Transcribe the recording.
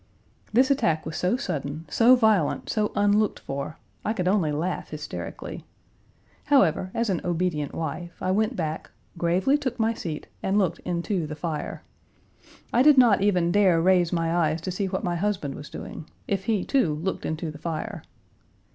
This attack was so sudden, so violent, so unlooked for, I could only laugh hysterically. However, as an obedient wife, I went back, gravely took my seat and looked into the fire. I did not even dare raise my eyes to see what my husband was doing if he, too, looked into the fire.